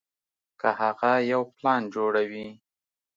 کۀ هغه يو پلان جوړوي